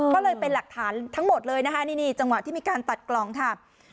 ก็เลยเป็นหลักฐานทั้งหมดเลยนะคะนี่จังหวะที่มีการตัดกล่องค่ะ